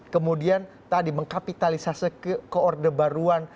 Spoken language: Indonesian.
kemudian tadi mengkapitalisasi ke orde baruan